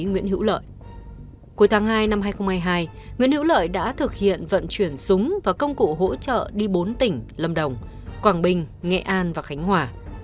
nguyễn hữu lợi đã thực hiện vận chuyển súng và công cụ hỗ trợ đi bốn tỉnh lâm đồng quảng bình nghệ an và khánh hòa